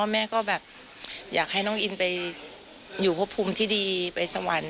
แม่ก็แบบอยากให้น้องอินไปอยู่พบภูมิที่ดีไปสวรรค์